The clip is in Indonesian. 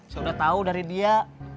saya udah tau dari dia